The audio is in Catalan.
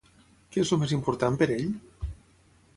Què és el més important per ell?